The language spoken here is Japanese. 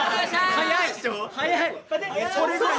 早い！